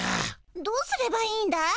どうすればいいんだい？